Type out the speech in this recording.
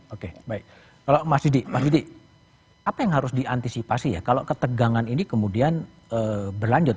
oke baik kalau mas didi mas didi apa yang harus diantisipasi ya kalau ketegangan ini kemudian berlanjut